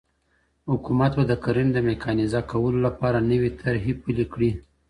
حکومت به د کرني د ميکانيزه کولو لپاره نوي طرحي پلي کړي.